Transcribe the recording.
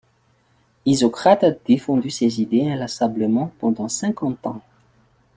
Isocrate a défendu ces idées inlassablement pendant cinquante ans.